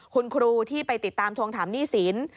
คุณครูที่ไปติดตามทวงถามหนี้สิน